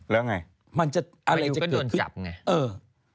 แล้วไงมันจะก็โดนจับไง